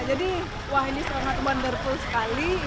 jadi wah ini sangat wonderful sekali